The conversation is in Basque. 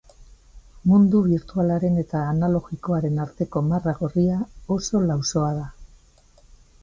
Mundu birtualaren eta analogikoaren arteko marra gorria oso lausoa da.